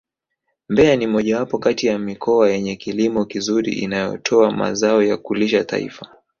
Mbeya ni mojawapo kati ya mikoa yenye kilimo kizuri inayotoa mazao ya kulisha taifa